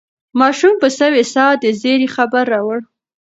ماشوم په سوې ساه د زېري خبر راوړ.